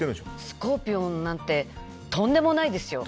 スコーピオンなんてとんでもないですよ。